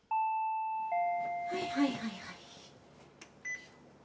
はいはいはいはい